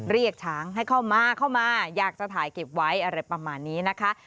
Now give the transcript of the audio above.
เรียกช้างให้เข้ามาเข้ามาอยากจะถ่ายเก็บไว้อะไรประมาณนี้นะคะ